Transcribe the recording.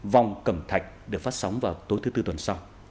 vòng cẩm thạch được phát sóng vào tối nay